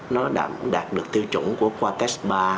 nó đạt được tiêu chuẩn của quartex ba